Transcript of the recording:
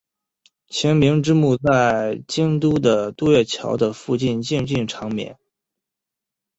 晴明之墓在京都的渡月桥的附近静静长眠。